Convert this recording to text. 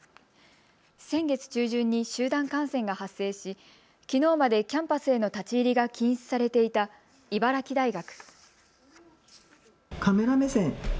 先月中旬に集団感染が発生し、きのうまでキャンパスへの立ち入りが禁止されていた茨城大学。